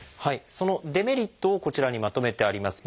そのデメリットをこちらにまとめてあります。